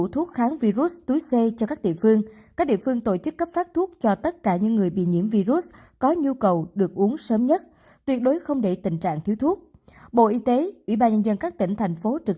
tủ tướng chính phủ đề nghị bộ y tế ủy ban nhân dân các tỉnh thành phố trực thuộc trung ương